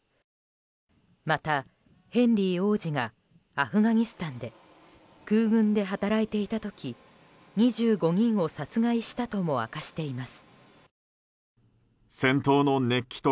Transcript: またヘンリー王子がアフガニスタンで空軍で働いていた時２５人を殺害したとも明かしています。